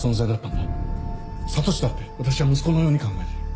悟史だって私は息子のように考えてる。